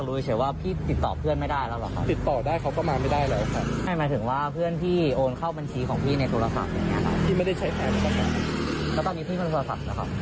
แล้วตอนนี้พี่เป็นโทรศัพท์เหรอครับ